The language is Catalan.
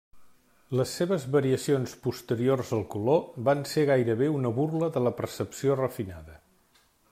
Les seves variacions posteriors al color van ser gairebé una burla de la percepció refinada.